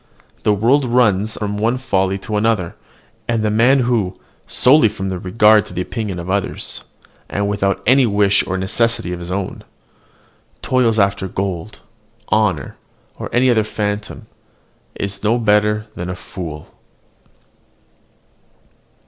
The world runs on from one folly to another; and the man who, solely from regard to the opinion of others, and without any wish or necessity of his own, toils after gold, honour, or any other phantom, is no better than a fool.